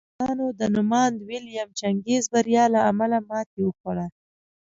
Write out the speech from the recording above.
پوپلستانو د نوماند ویلیم جیننګز بریان له امله ماتې وخوړه.